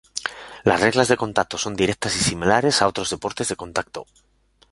Las reglas de contacto son directas y similares a otros deportes de contacto.